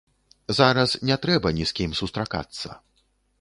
Зараз не трэба ні з кім сустракацца.